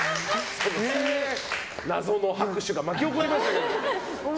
謎の拍手が巻き起こりましたけど。